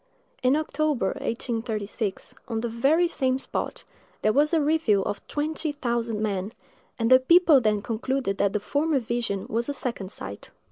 In October, 1836, on the very same spot, there was a review of twenty thousand men; and the people then concluded that the former vision was a second sight.